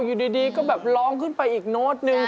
อยู่ดีก็แบบร้องขึ้นไปอีกโน้ตนึง